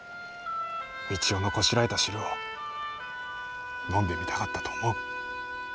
三千代のこしらえた汁を飲んでみたかったと思う。